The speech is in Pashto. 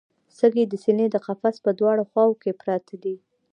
سږي د سینې د قفس په دواړو خواوو کې پراته دي